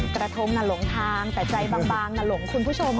กระทงน่ะหลงทางแต่ใจบางหลงคุณผู้ชม